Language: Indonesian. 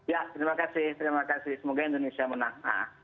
ya terima kasih terima kasih semoga indonesia menang